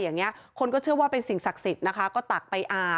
อย่างนี้คนก็เชื่อว่าเป็นสิ่งศักดิ์สิทธิ์นะคะก็ตักไปอา